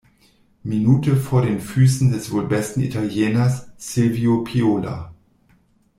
Minute vor den Füßen des wohl besten Italieners, Silvio Piola.